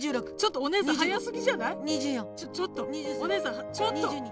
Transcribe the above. お姉さんちょっと！